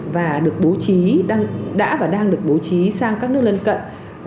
và được bố trí đã và đang được bố trí sang các nước lân cận